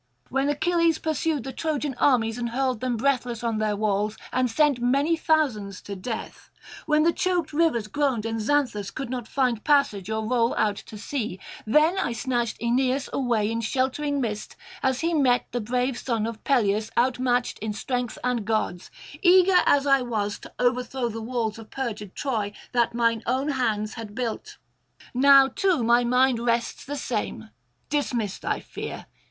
When Achilles pursued the Trojan armies and hurled them breathless on their walls, and sent many thousands to death, when the choked rivers groaned and Xanthus could not find passage or roll out to sea, then I snatched Aeneas away in sheltering mist as he met the brave son of Peleus outmatched in strength and gods, eager as I was to overthrow the walls of perjured Troy that mine own hands had built. Now too my mind rests the same; dismiss thy fear.